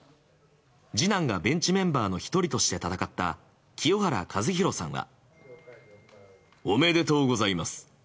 次男がベンチメンバーの１人として戦った清原和博さんは。